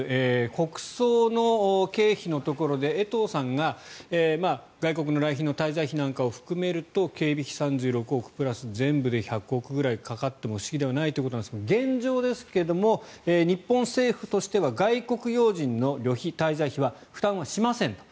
国葬の経費のところで江藤さんが外国の来賓の滞在費なんかを含めると警備費３６億プラス全部で１００億ぐらいかかっても不思議ではないということなんですが現状ですが日本政府としては外国要人の旅費滞在費は負担はしませんと。